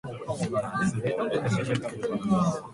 皮膚ガンの恐れはないのかな？